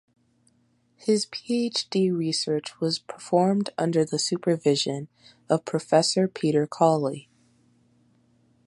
His PhD research was performed under the supervision of Professor Peter Cawley.